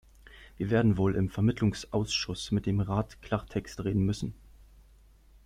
Wir werden wohl im Vermittlungsausschuss mit dem Rat Klartext reden müssen.